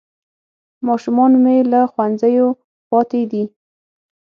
ماشومان مې له ښوونځیو پاتې دي